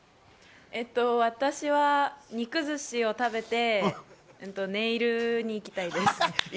私は肉寿司を食べてネイルに行きたいです。